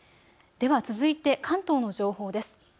では続いて関東の情報です。